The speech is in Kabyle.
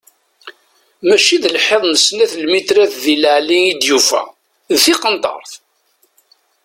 Mačči d lḥiḍ n snat lmitrat di leɛli i d-yufa, d tiqenṭert!